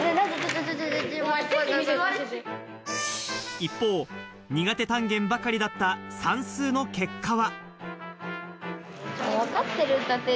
一方、苦手単元ばかりだった算数の結果は。